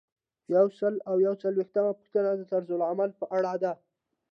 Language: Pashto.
یو سل او یو څلویښتمه پوښتنه د طرزالعمل په اړه ده.